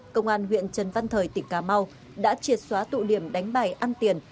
công an huyện trần văn thời tỉnh cà mau đã triệt xóa tụ điểm đánh bài ăn tiền